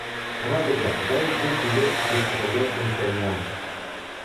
Радуга, дай дуг лет быстролётным коням.